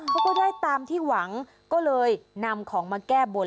ก็ได้ตามที่หวังก็เลยนำของมาแก้บน